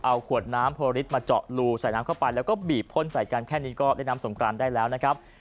เอาขวดน้ำโพริสมาเจาะรูใส่น้ำเข้าไปแล้วก็บีบพ่นใส่กันแค่นี้ก็เล่นน้ำสงกรานได้แล้วนะครับ